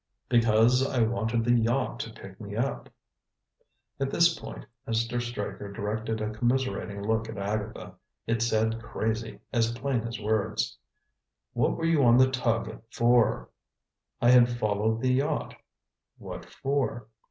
"Because I wanted the yacht to pick me up." At this point Mr. Straker directed a commiserating look at Agatha. It said "Crazy" as plain as words. "What were you on the tug for?" "I had followed the yacht." "What for?"